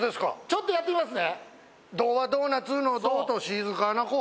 ちょっとやってみます。